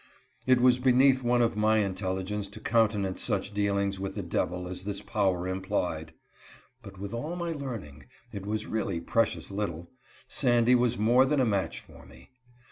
It was beneath one of my intelligence to countenance such dealings with the devil as this power implied. But with all my learning — it was really precious little — Sandy was more than a match for me.